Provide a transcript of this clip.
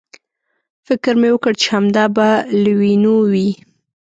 فکر مې وکړ چې همدا به لویینو وي.